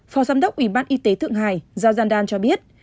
phó giám đốc ủy ban y tế thượng hải giao giang dan cho biết